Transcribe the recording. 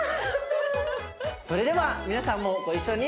それでは皆さんもご一緒に。